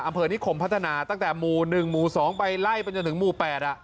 อำเภอนิคมพัฒนาตั้งแต่หมู่๑หมู่๒ไปไล่ไปจนถึงหมู่๘